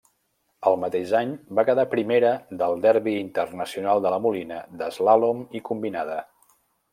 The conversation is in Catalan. El mateix any va quedar primera del Derby Internacional de la Molina d’eslàlom i combinada.